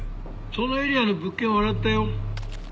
そのエリアの物件を洗ったよ。